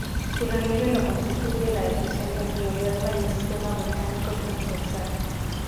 Su relieve lo constituye la depresión del Río Lerma y el sistema volcánico transversal.